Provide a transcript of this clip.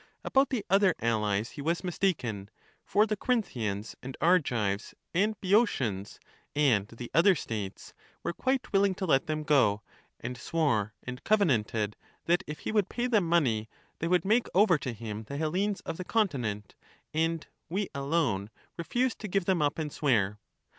About the other allies he was mistaken, for the Corinthians and Argives and Boeotians, and the other states, were quite willing to let them go, and swore and covenanted, that, if he would pay them money, they would make over to him the Hellenes of the continent, and we alone refused to give them up and swear.